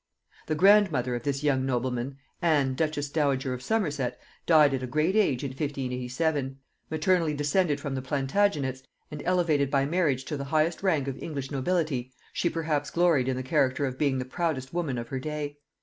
The grandmother of this young nobleman, Anne duchess dowager of Somerset, died at a great age in 1587. Maternally descended from the Plantagenets, and elevated by marriage to the highest rank of English nobility, she perhaps gloried in the character of being the proudest woman of her day.